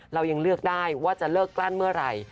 เรายังเลือกได้ว่าจะเลิกกลั้นเมื่อไหร่